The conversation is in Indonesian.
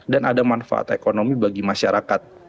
dan ada manfaat ekonomi bagi masyarakat